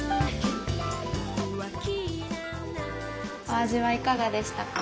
お味はいかがでしたか？